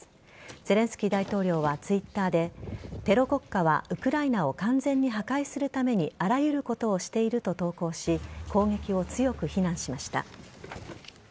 ゼレンスキー大統領はＴｗｉｔｔｅｒでテロ国家はウクライナを完全に破壊するためにあらゆることをしていると投稿し攻撃を強く非難しました。